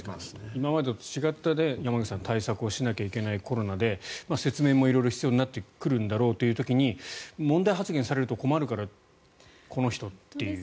今までと違った対策をしなきゃいけないコロナで説明も色々、必要になってくるんだろうという時に問題発言をされると困るからこの人という。